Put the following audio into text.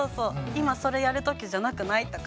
今それやる時じゃなくない？とか。